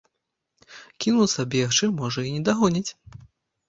Кінуцца бегчы, можа, і не дагоніць.